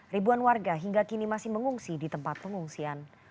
ribuan warga hingga kini masih mengungsi di tempat pengungsian